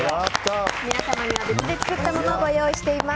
皆さんには別で作ったものをご用意しております。